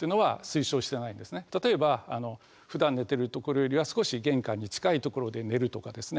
例えばふだん寝てる所よりは少し玄関に近い所で寝るとかですね。